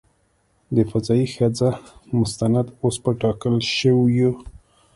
د "فضايي ښځه" مستند اوس په ټاکل شویو .